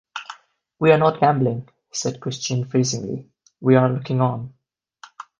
'We are not gambling,' said Christine freezingly; 'we are looking on.'